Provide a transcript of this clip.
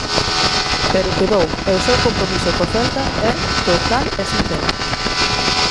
Pero quedou e o seu compromiso co Celta é total e sincero.